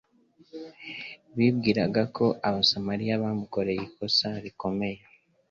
Bibwiraga ko abasamaliya bamukoreye ikosa rikomeye;